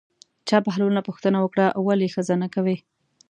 چا بهلول نه پوښتنه وکړه ولې ښځه نه کوې.